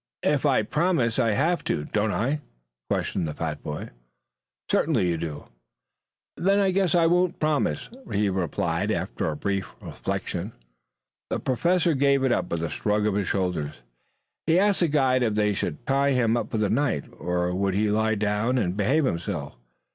"If I promise I have to, don't I?" questioned the fat boy. "Certainly you do." "Then I guess I won't promise," he replied after a brief reflection. The Professor gave it up with a shrug of his shoulders. He asked the guide if they should tie him up for the night or if he would lie down and behave himself.